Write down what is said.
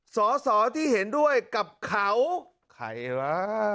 สอสอที่เห็นด้วยกับเขาใครวะ